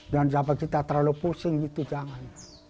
jangan sampai kita terlalu pusing gitu jangan